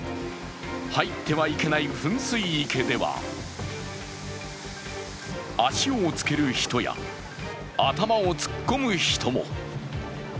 入ってはいけない噴水池では、足をつける人や頭を突っ込む人も。